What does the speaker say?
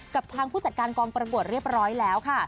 กับทางผู้จัดการกองประกวดเรียบร้อยแล้วค่ะ